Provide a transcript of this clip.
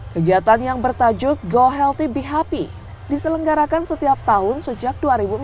kegiatan yang bertajuk go healthy be happy diselenggarakan setiap tahun sejak dua ribu empat belas